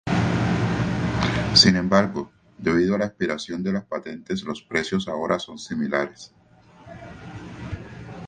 Sin embargo, debido a la expiración de las patentes, los precios ahora son similares.